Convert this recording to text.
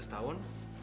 saya tujuh belas tahun